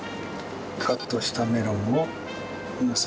カットしたメロンものせます。